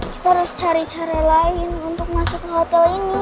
kita harus cari cari lain untuk masuk ke hotel ini